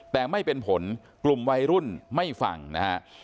แต่ไม่เป็นผลกลุ่มวัยรุ่นไม่ฟังนะฮะ